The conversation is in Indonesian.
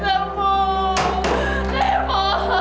saya mau ke pemakaman